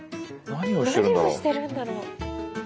何をしてるんだろう？